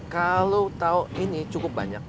kalau tahu ini cukup banyak